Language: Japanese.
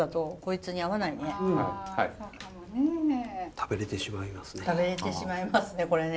食べれてしまいますね。